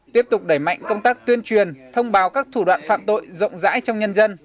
tiếp tục đẩy mạnh công tác tuyên truyền thông báo các thủ đoạn phạm tội rộng rãi trong nhân dân